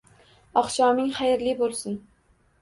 Oqshoming xayrli bo‘lsin!